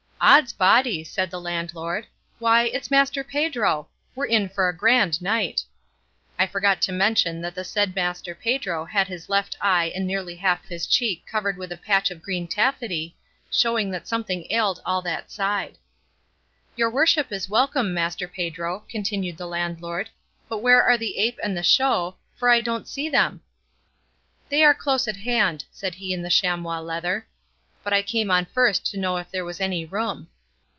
"Ods body!" said the landlord, "why, it's Master Pedro! We're in for a grand night!" I forgot to mention that the said Master Pedro had his left eye and nearly half his cheek covered with a patch of green taffety, showing that something ailed all that side. "Your worship is welcome, Master Pedro," continued the landlord; "but where are the ape and the show, for I don't see them?" "They are close at hand," said he in the chamois leather, "but I came on first to know if there was any room."